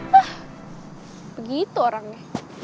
wah begitu orangnya